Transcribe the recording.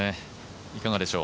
いかがでしょう。